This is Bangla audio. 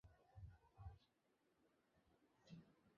এটা কীভাবে কাজ করে?